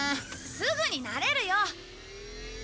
すぐに慣れるよ！